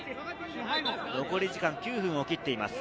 残り時間は９分を切っています。